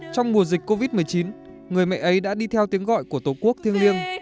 trong mùa dịch covid một mươi chín người mẹ ấy đã đi theo tiếng gọi của tổ quốc thiêng liêng